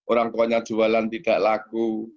orang tuanya jualan tidak laku